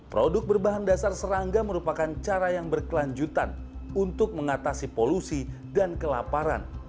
produk berbahan dasar serangga merupakan cara yang berkelanjutan untuk mengatasi polusi dan kelaparan